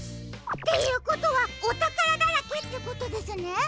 っていうことはおたからだらけってことですね？